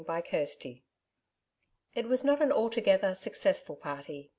CHAPTER 9 It was not an altogether successful party.